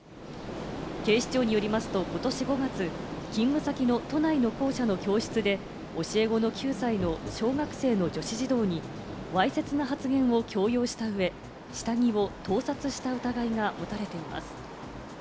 警視庁によりますと、ことし５月、勤務先の都内の校舎の教室で教え子の９歳の小学生の女子児童にわいせつな発言を強要したうえ、下着を盗撮した疑いが持たれています。